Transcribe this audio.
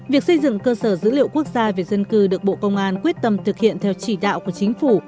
việc xây dựng cơ sở dữ liệu quốc gia về dân cư được bộ công an quyết tâm thực hiện theo chỉ đạo của chính phủ